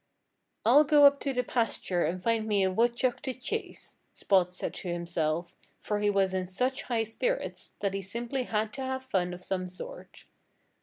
"I'll go up to the pasture and find me a woodchuck to chase," Spot said to himself, for he was in such high spirits that he simply had to have fun of some sort.